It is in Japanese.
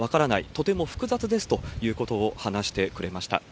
とても複雑ですということを話してくれました。